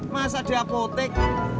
masa ada apotek